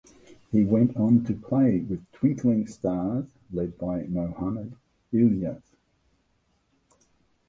He went on to play with Twinkling Stars (led by Mohammed Ilyas).